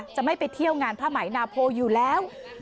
จะไม่ไปเที่ยวงานผ้าไหมนาโพอยู่แล้ว